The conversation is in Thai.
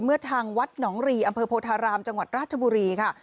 ทางวัดหนองรีอำเภอโพธารามจังหวัดราชบุรีค่ะ